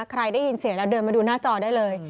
ใครได้ยินเสียงแล้วเดินมาดูหน้าจอได้เลย